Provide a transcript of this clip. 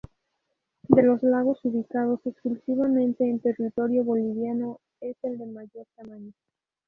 De los lagos ubicados exclusivamente en territorio boliviano es el de mayor tamaño.